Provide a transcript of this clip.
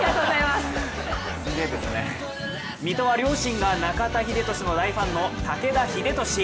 水戸は両親が中田英寿の大ファンの武田英寿。